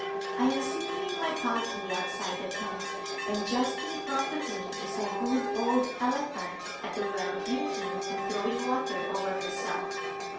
I am sitting in my palki outside the tent and just in front of me is our good old elephant at the well drinking and throwing water over herself.